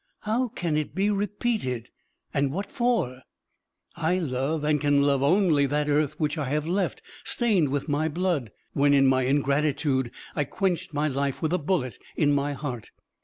"How can it be repeated and what for? I love and can love only that earth which I have left, stained with my blood, when, in my ingratitude, I quenched my life with a bullet in my heart.